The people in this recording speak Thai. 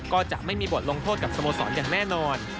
ก็จะไม่มีบทลงโทษกับสโมสรอย่างแน่นอน